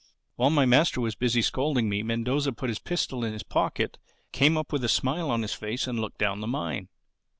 "While my master was busy scolding me Mendoza put his pistol in his pocket, came up with a smile on his face and looked down the mine.